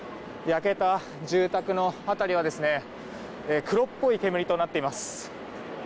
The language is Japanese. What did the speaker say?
焼けた住宅の辺りは黒っぽい煙となっています。